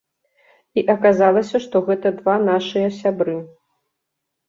І аказалася, што гэта два нашыя сябры.